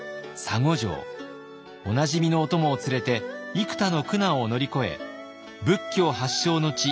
おなじみのお供を連れて幾多の苦難を乗り越え仏教発祥の地